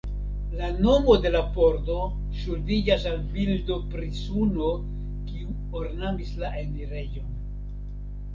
La nomo de la pordo ŝuldiĝas al bildo pri suno kiu ornamis la enirejon.